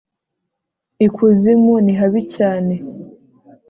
ikuzimu ni habi cyane